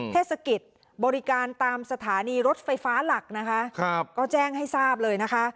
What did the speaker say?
เทศกิจบริการตามสถานีรถไฟฟ้าหลักนะคะก็แจ้งให้ทราบเลยนะคะ